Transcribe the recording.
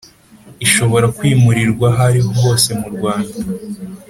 ishobora kwimurirwa aho ariho hose mu Rwanda